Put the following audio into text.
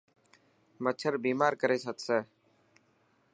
مڇر بيمار ڪري ڇڏسي.